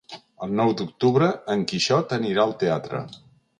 El nou d'octubre en Quixot anirà al teatre.